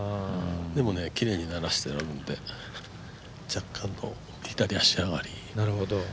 でもね、きれいにならしてあるので若干の左足上がり。